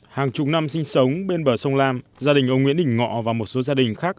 hàng chục năm sinh sống bên bờ sông lam gia đình ông nguyễn đình ngọ và một số gia đình khác